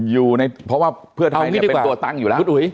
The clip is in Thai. อยู่ในเพราะว่าเพื่อไทยเนี่ยเป็นตัวตั้งอยู่แล้ว